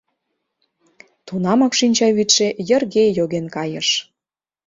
Тунамак шинчавӱдшӧ йырге йоген кайыш.